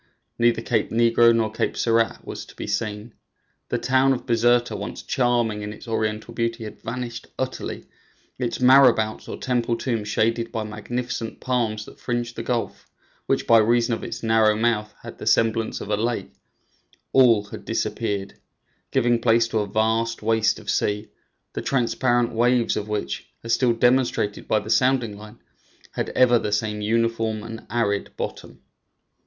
Neither Cape Negro nor Cape Serrat was to be seen. The town of Bizerta, once charming in its oriental beauty, had vanished utterly; its marabouts, or temple tombs, shaded by magnificent palms that fringed the gulf, which by reason of its narrow mouth had the semblance of a lake, all had disappeared, giving place to a vast waste of sea, the transparent waves of which, as still demonstrated by the sounding line, had ever the same uniform and arid bottom.